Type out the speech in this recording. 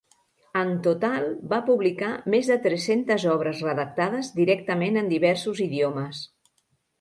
En total va publicar més de tres-centes obres redactades directament en diversos idiomes.